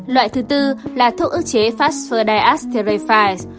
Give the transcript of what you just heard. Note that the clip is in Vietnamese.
loại thứ bốn là thuốc ức chế phosphodiesteraphis